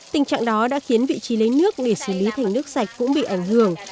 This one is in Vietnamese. tình trạng đó đã khiến vị trí lấy nước để xử lý thành nước sạch cũng bị ảnh hưởng